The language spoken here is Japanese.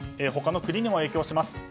他の国にも影響します。